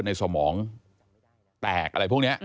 พบหน้าลูกแบบเป็นร่างไร้วิญญาณ